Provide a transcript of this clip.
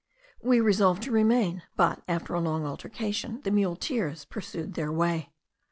We resolved to remain; but, after a long altercation, the muleteers pursued their way.